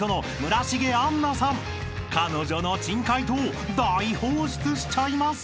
［彼女の珍解答大放出しちゃいます］